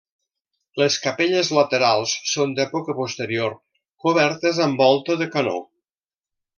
Les capelles laterals són d'època posterior, cobertes amb volta de canó.